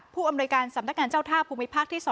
ผู้อำนวยการสำนักงานเจ้าท่าภูมิภาคที่๒